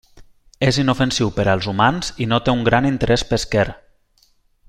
És inofensiu per als humans i no té un gran interès pesquer.